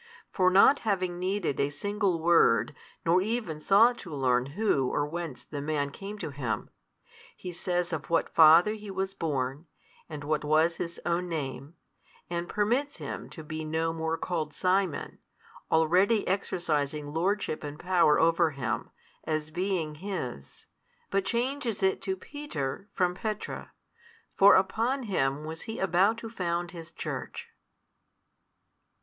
For not having needed a single word, nor even sought to learn who or whence the man came to Him; He says of what father he was born, and what was his own name, and permits him to be no more called Simon, already exercising lordship and power over him, as being His: but changes it to Peter from Petra 4: for upon him was He about to found His Church.